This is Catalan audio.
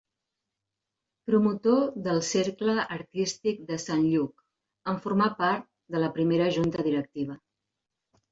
Promotor del Cercle Artístic de Sant Lluc, en formà part de la primera junta directiva.